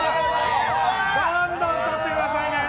どんどん取ってくださいねー。